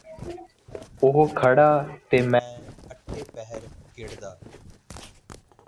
ਉਹ ਖੜ੍ਹਾ ਤੇ ਮੈਂ ਅੱਠੇ ਪਹਿਰ ਗਿੜਦਾ